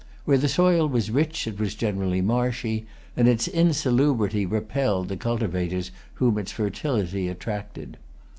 Where the soil was rich it was generally marshy, and its insalubrity repelled the cultivators whom its fertility attracted.